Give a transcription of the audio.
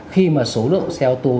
khi mà số lượng xe ô tô